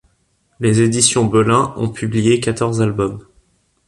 Les éditions Belin ont publié quatorze albums.